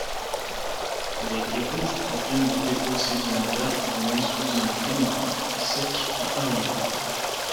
Les grès rouges proviennent de dépôts sédimentaires formés sous un climat sec à aride.